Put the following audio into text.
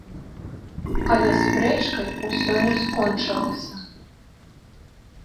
Але спрэчкай усё не скончылася.